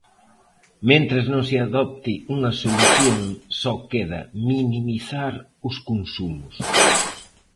Mentres non se adopte unha solución, só queda minimizar os consumos.